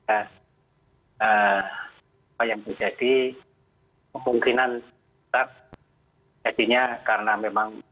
apa yang menjadi kemungkinan tetap jadinya karena memang